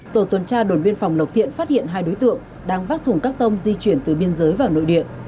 tổ tuần tra đồn biên phòng lộc thiện phát hiện hai đối tượng đang vác thùng các tông di chuyển từ biên giới vào nội địa